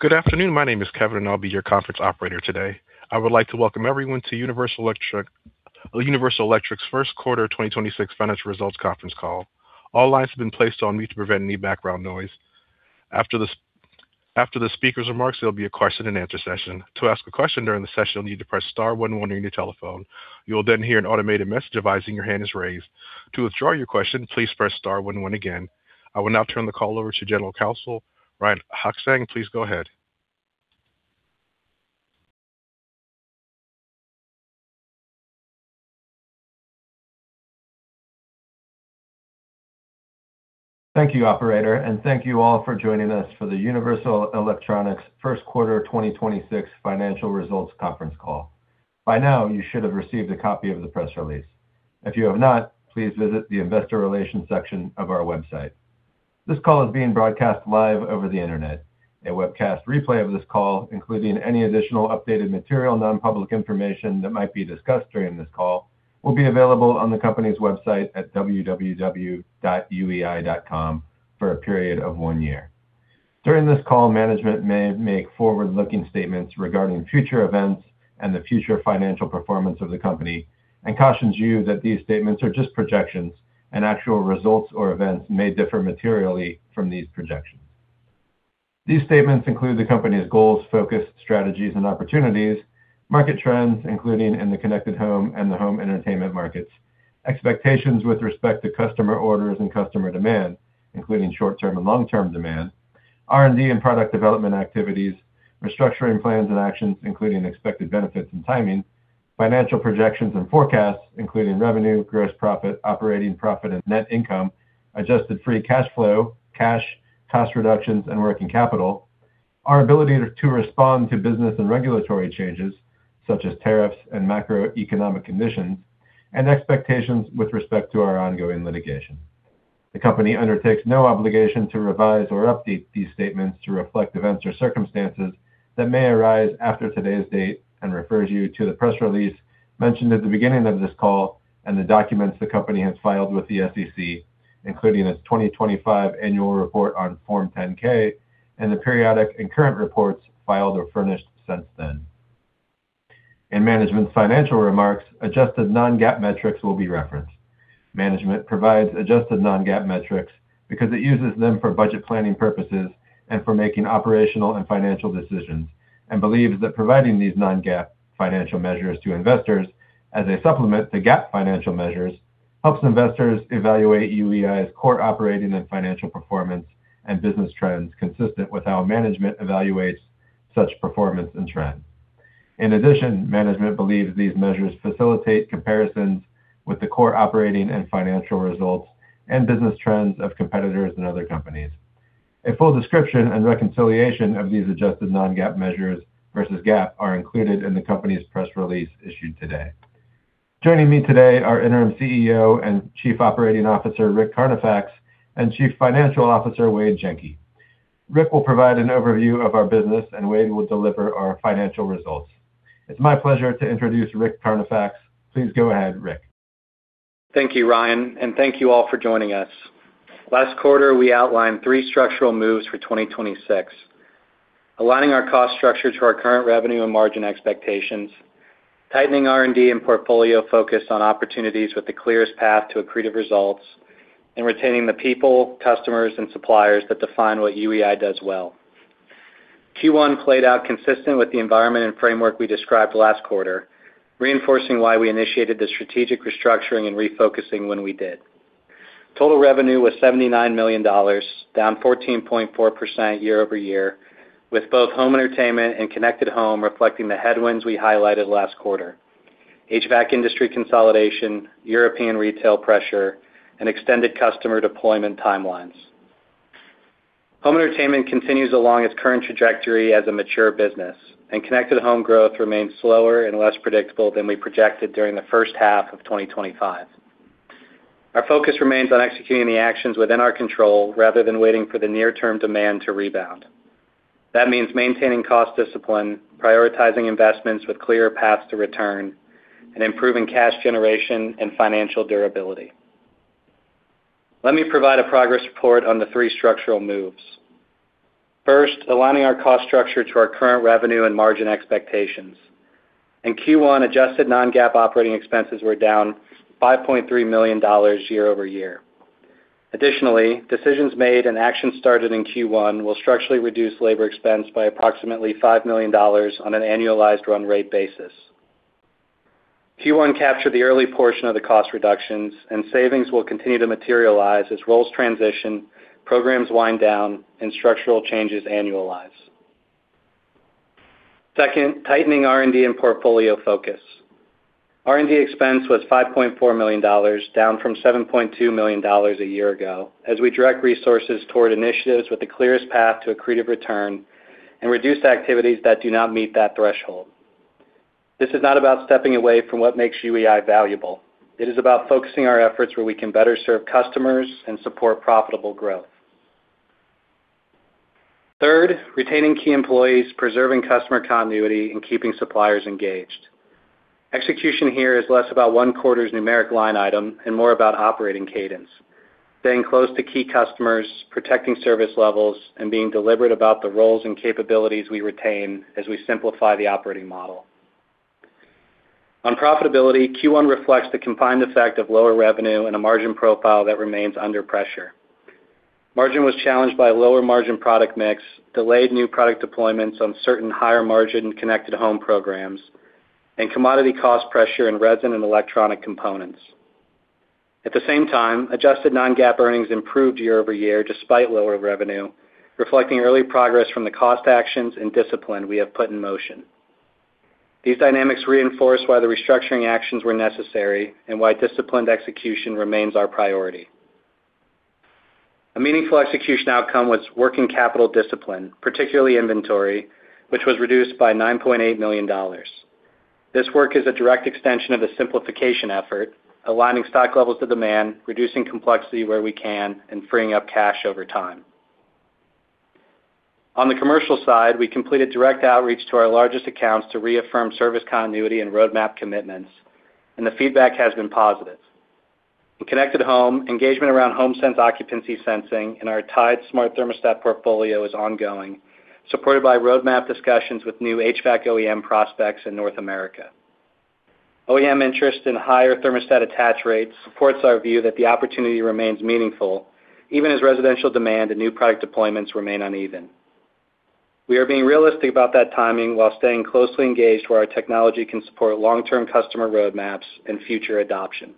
Good afternoon. My name is Kevin, and I'll be your conference operator today. I would like to welcome everyone to Universal Electronics' first quarter 2026 financial results conference call. All lines have been placed on mute to prevent any background noise. After the speaker's remarks, there'll be a question-and-answer session. I will now turn the call over to General Counsel Ryan Hochgesang. Please go ahead. Thank you, operator, and thank you all for joining us for the Universal Electronics first quarter 2026 financial results conference call. By now, you should have received a copy of the press release. If you have not, please visit the investor relations section of our website. This call is being broadcast live over the Internet. A webcast replay of this call, including any additional updated material and non-public information that might be discussed during this call, will be available on the company's website at www.uei.com for a period of one year. During this call, management may make forward-looking statements regarding future events and the future financial performance of the company and cautions you that these statements are just projections and actual results or events may differ materially from these projections. These statements include the company's goals, focus, strategies and opportunities, market trends, including in Connected home and the home entertainment markets, expectations with respect to customer orders and customer demand, including short-term and long-term demand, R&D and product development activities, restructuring plans and actions, including expected benefits and timing, financial projections and forecasts, including revenue, gross profit, operating profit and net income, adjusted free cash flow, cash, cost reductions, and working capital, our ability to respond to business and regulatory changes such as tariffs and macroeconomic conditions, and expectations with respect to our ongoing litigation. The company undertakes no obligation to revise or update these statements to reflect events or circumstances that may arise after today's date and refers you to the press release mentioned at the beginning of this call and the documents the company has filed with the SEC, including its 2025 annual report on Form 10-K and the periodic and current reports filed or furnished since then. In management's financial remarks, adjusted non-GAAP metrics will be referenced. Management provides adjusted non-GAAP metrics because it uses them for budget planning purposes and for making operational and financial decisions, and believes that providing these non-GAAP financial measures to investors as a supplement to GAAP financial measures helps investors evaluate UEI's core operating and financial performance and business trends consistent with how management evaluates such performance and trends. In addition, management believes these measures facilitate comparisons with the core operating and financial results and business trends of competitors and other companies. A full description and reconciliation of these adjusted non-GAAP measures versus GAAP are included in the company's press release issued today. Joining me today are Interim CEO and Chief Operating Officer, Rick Carnifax, and Chief Financial Officer, Wade Jenke. Rick will provide an overview of our business, and Wade will deliver our financial results. It's my pleasure to introduce Rick Carnifax. Please go ahead, Rick. Thank you, Ryan, and thank you all for joining us. Last quarter, we outlined three structural moves for 2026: aligning our cost structure to our current revenue and margin expectations, tightening R&D and portfolio focus on opportunities with the clearest path to accretive results, and retaining the people, customers, and suppliers that define what UEI does well. Q1 played out consistent with the environment and framework we described last quarter, reinforcing why we initiated the strategic restructuring and refocusing when we did. Total revenue was $79 million, down 14.4% year-over-year, with both home entertainment Connected home reflecting the headwinds we highlighted last quarter. HVAC industry consolidation, European retail pressure, and extended customer deployment timelines. Home entertainment continues along its current trajectory as a mature business, Connected home growth remains slower and less predictable than we projected during the first half of 2025. Our focus remains on executing the actions within our control rather than waiting for the near-term demand to rebound. That means maintaining cost discipline, prioritizing investments with clearer paths to return, and improving cash generation and financial durability. Let me provide a progress report on the three structural moves. First, aligning our cost structure to our current revenue and margin expectations. In Q1, adjusted non-GAAP operating expenses were down $5.3 million year-over-year. Additionally, decisions made and actions started in Q1 will structurally reduce labor expense by approximately $5 million on an annualized run rate basis. Q1 captured the early portion of the cost reductions, and savings will continue to materialize as roles transition, programs wind down, and structural changes annualize. Second, tightening R&D and portfolio focus. R&D expense was $5.4 million, down from $7.2 million a year ago, as we direct resources toward initiatives with the clearest path to accretive return and reduce activities that do not meet that threshold. This is not about stepping away from what makes UEI valuable. It is about focusing our efforts where we can better serve customers and support profitable growth. Third, retaining key employees, preserving customer continuity, and keeping suppliers engaged. Execution here is less about one quarter's numeric line item and more about operating cadence. Staying close to key customers, protecting service levels, and being deliberate about the roles and capabilities we retain as we simplify the operating model. On profitability, Q1 reflects the combined effect of lower revenue and a margin profile that remains under pressure. Margin was challenged by lower margin product mix, delayed new product deployments on certain higher Connected home programs, and commodity cost pressure in resin and electronic components. At the same time, adjusted non-GAAP earnings improved year-over-year despite lower revenue, reflecting early progress from the cost actions and discipline we have put in motion. These dynamics reinforce why the restructuring actions were necessary and why disciplined execution remains our priority. A meaningful execution outcome was working capital discipline, particularly inventory, which was reduced by $9.8 million. This work is a direct extension of the simplification effort, aligning stock levels to demand, reducing complexity where we can, and freeing up cash over time. On the commercial side, we completed direct outreach to our largest accounts to reaffirm service continuity and roadmap commitments, and the feedback has been positive. Connected home, engagement around homeSense occupancy sensing in our Tide smart thermostat portfolio is ongoing, supported by roadmap discussions with new HVAC OEM prospects in North America. OEM interest in higher thermostat attach rates supports our view that the opportunity remains meaningful even as residential demand and new product deployments remain uneven. We are being realistic about that timing while staying closely engaged where our technology can support long-term customer roadmaps and future adoption.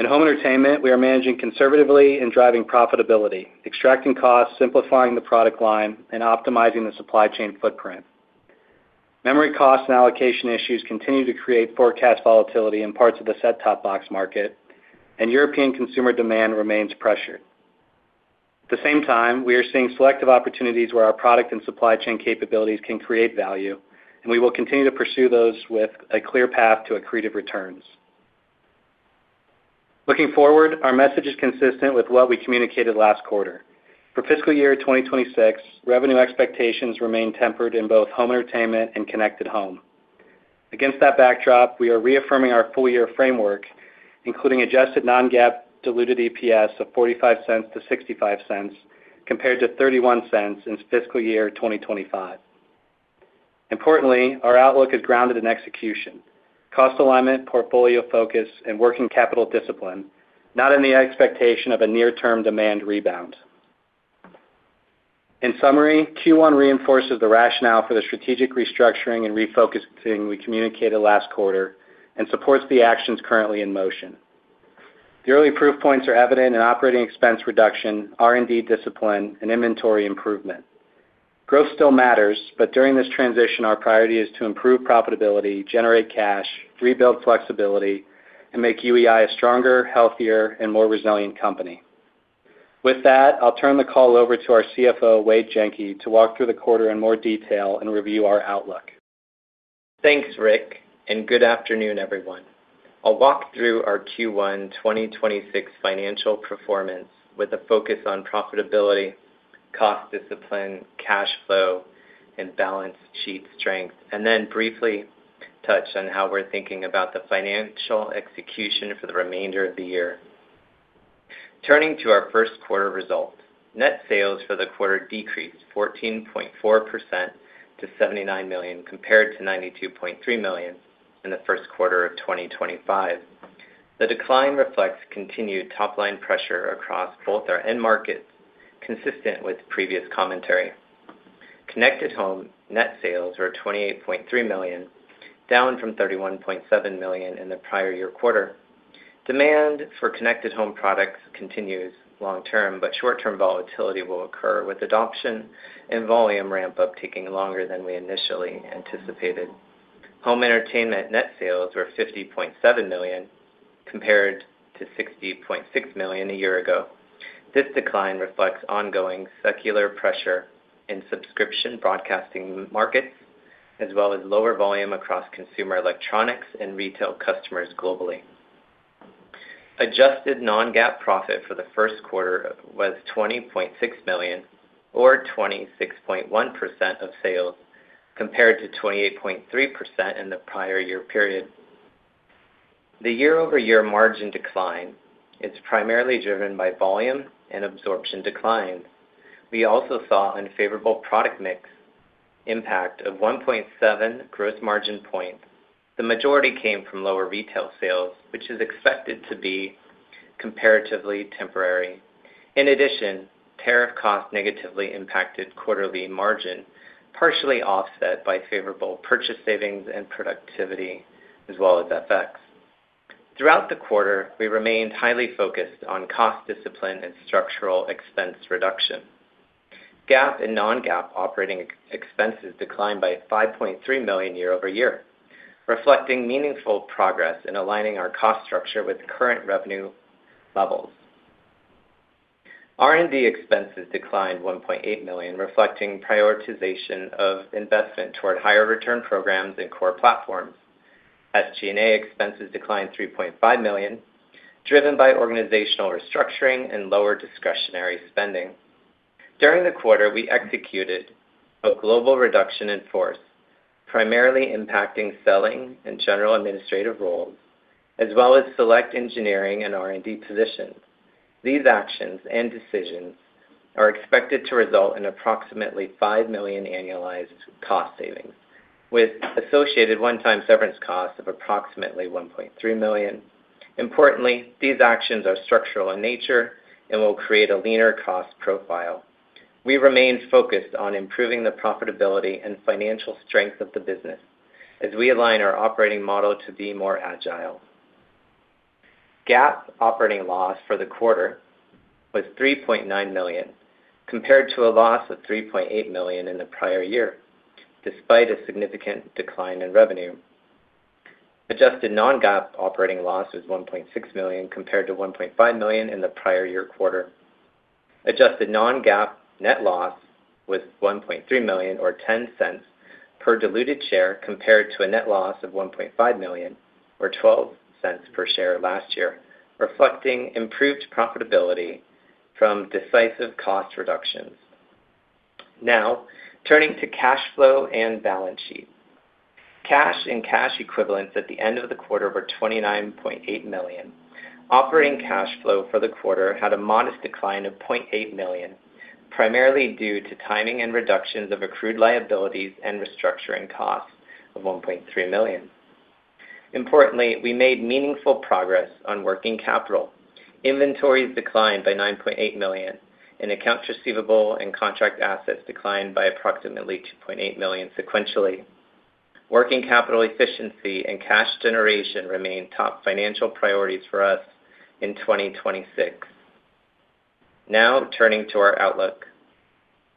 In home entertainment, we are managing conservatively and driving profitability, extracting costs, simplifying the product line, and optimizing the supply chain footprint. Memory costs and allocation issues continue to create forecast volatility in parts of the set-top box market, and European consumer demand remains pressured. At the same time, we are seeing selective opportunities where our product and supply chain capabilities can create value, and we will continue to pursue those with a clear path to accretive returns. Looking forward, our message is consistent with what we communicated last quarter. For fiscal year 2026, revenue expectations remain tempered in both home entertainment Connected home. against that backdrop, we are reaffirming our full-year framework, including adjusted non-GAAP diluted EPS of $0.45-$0.65 compared to $0.31 in fiscal year 2025. Importantly, our outlook is grounded in execution, cost alignment, portfolio focus, and working capital discipline, not in the expectation of a near-term demand rebound. In summary, Q1 reinforces the rationale for the strategic restructuring and refocusing we communicated last quarter and supports the actions currently in motion. The early proof points are evident in operating expense reduction, R&D discipline, and inventory improvement. Growth still matters, but during this transition, our priority is to improve profitability, generate cash, rebuild flexibility, and make UEI a stronger, healthier, and more resilient company. With that, I'll turn the call over to our CFO, Wade Jenke, to walk through the quarter in more detail and review our outlook. Thanks, Rick. Good afternoon, everyone. I'll walk through our Q1 2026 financial performance with a focus on profitability, cost discipline, cash flow, and balance sheet strength. Then briefly touch on how we're thinking about the financial execution for the remainder of the year. Turning to our first quarter results. Net sales for the quarter decreased 14.4% to $79 million compared to $92.3 million in the first quarter of 2025. The decline reflects continued top-line pressure across both our end markets, consistent with previous Connected home net sales were $28.3 million, down from $31.7 million in the prior year quarter. Demand Connected home products continues long term. Short-term volatility will occur, with adoption and volume ramp-up taking longer than we initially anticipated. Home entertainment net sales were $50.7 million, compared to $60.6 million a year ago. This decline reflects ongoing secular pressure in subscription broadcasting markets, as well as lower volume across consumer electronics and retail customers globally. Adjusted non-GAAP profit for the first quarter was $20.6 million or 26.1% of sales, compared to 28.3% in the prior year period. The year-over-year margin decline is primarily driven by volume and absorption decline. We also saw unfavorable product mix impact of 1.7 gross margin points. The majority came from lower retail sales, which is expected to be comparatively temporary. In addition, tariff costs negatively impacted quarterly margin, partially offset by favorable purchase savings and productivity as well as FX. Throughout the quarter, we remained highly focused on cost discipline and structural expense reduction. GAAP and non-GAAP operating expenses declined by $5.3 million year-over-year, reflecting meaningful progress in aligning our cost structure with current revenue levels. R&D expenses declined $1.8 million, reflecting prioritization of investment toward higher return programs and core platforms. SG&A expenses declined $3.5 million, driven by organizational restructuring and lower discretionary spending. During the quarter, we executed a global reduction in force, primarily impacting selling and general administrative roles, as well as select engineering and R&D positions. These actions and decisions are expected to result in approximately $5 million annualized cost savings, with associated one-time severance costs of approximately $1.3 million. Importantly, these actions are structural in nature and will create a leaner cost profile. We remain focused on improving the profitability and financial strength of the business as we align our operating model to be more agile. GAAP operating loss for the quarter was $3.9 million, compared to a loss of $3.8 million in the prior year, despite a significant decline in revenue. Adjusted non-GAAP operating loss was $1.6 million compared to $1.5 million in the prior year quarter. Adjusted non-GAAP net loss was $1.3 million or $0.10 per diluted share, compared to a net loss of $1.5 million or $0.12 per share last year, reflecting improved profitability from decisive cost reductions. Turning to cash flow and balance sheet. Cash and cash equivalents at the end of the quarter were $29.8 million. Operating cash flow for the quarter had a modest decline of $0.8 million, primarily due to timing and reductions of accrued liabilities and restructuring costs of $1.3 million. Importantly, we made meaningful progress on working capital. Inventories declined by $9.8 million, and accounts receivable and contract assets declined by approximately $2.8 million sequentially. Working capital efficiency and cash generation remain top financial priorities for us in 2026. Now turning to our outlook.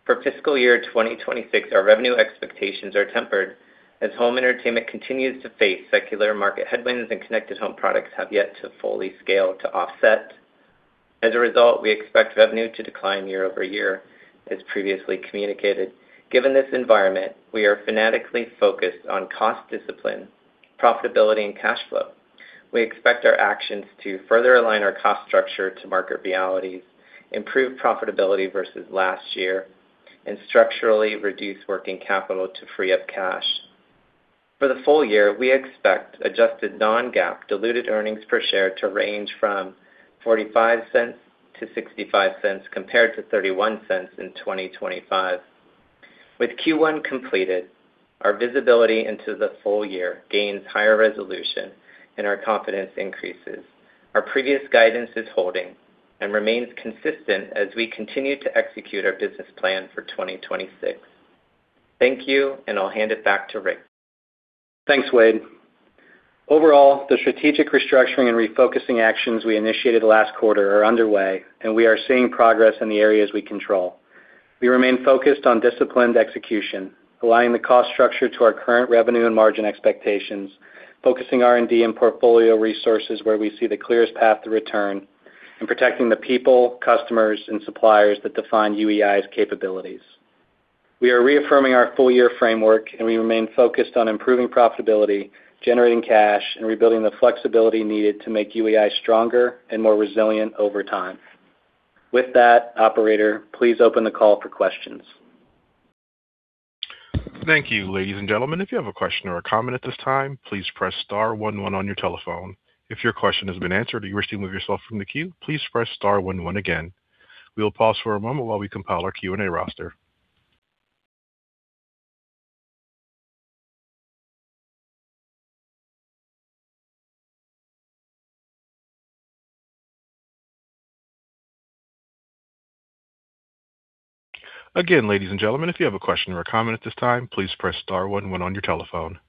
For fiscal year 2026, our revenue expectations are tempered as home entertainment continues to face secular market headwinds Connected home products have yet to fully scale to offset. As a result, we expect revenue to decline year-over-year, as previously communicated. Given this environment, we are fanatically focused on cost discipline, profitability and cash flow. We expect our actions to further align our cost structure to market realities, improve profitability versus last year, and structurally reduce working capital to free up cash. For the full year, we expect adjusted non-GAAP diluted earnings per share to range from $0.45-$0.65 compared to $0.31 in 2025. With Q1 completed, our visibility into the full year gains higher resolution and our confidence increases. Our previous guidance is holding and remains consistent as we continue to execute our business plan for 2026. Thank you, and I'll hand it back to Rick. Thanks, Wade. Overall, the strategic restructuring and refocusing actions we initiated last quarter are underway, and we are seeing progress in the areas we control. We remain focused on disciplined execution, aligning the cost structure to our current revenue and margin expectations, focusing R&D and portfolio resources where we see the clearest path to return, and protecting the people, customers, and suppliers that define UEI's capabilities. We are reaffirming our full-year framework, and we remain focused on improving profitability, generating cash, and rebuilding the flexibility needed to make UEI stronger and more resilient over time. With that, operator, please open the call for questions. Thank you. Ladies and gentlemen, if you have a question or a comment at this time, please press star one one on your telephone. If your question has been answered or you wish to remove yourself from the queue, please press star one one again. We will pause for a moment while we compile our Q&A roster. Again, ladies and gentlemen, if you have a question or a comment at this time, please press star one one on your telephone.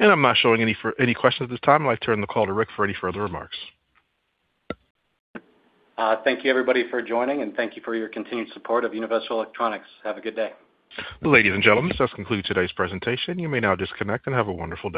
I'm not showing any questions at this time. I'd like to turn the call to Rick for any further remarks. Thank you, everybody, for joining, and thank you for your continued support of Universal Electronics. Have a good day. Ladies and gentlemen, this does conclude today's presentation. You may now disconnect and have a wonderful day.